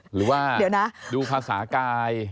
หรือว่าดูภาษากาย